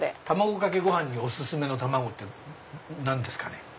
卵かけご飯にお薦めの卵って何ですかね？